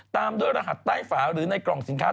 ตามด้วยรหัสใต้ฝาหรือในกล่องสินค้า